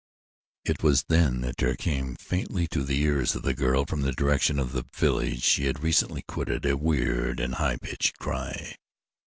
It was then that there came faintly to the ears of the girl from the direction of the village she had recently quitted a weird and high pitched cry.